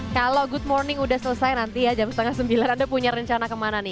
kalau good morning udah selesai nanti ya jam setengah sembilan anda punya rencana kemana nih